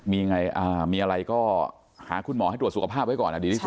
มีอะไรก็หาคุณหมอให้ตรวจสุขภาพไว้ก่อนดีที่สุด